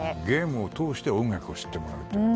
ゲームを通して音楽を知ってもらうと。